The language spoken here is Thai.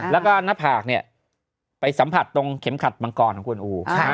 แล้วก็หน้าผากเนี่ยไปสัมผัสตรงเข็มขัดมังกรของคุณอู